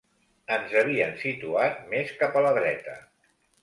Ens havien situat més cap a la dreta